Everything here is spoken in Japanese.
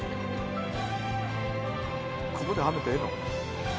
ここではめてええの？